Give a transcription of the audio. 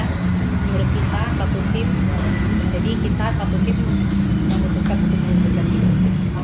menurut kita satu tim jadi kita satu tim memutuskan untuk menentukan tim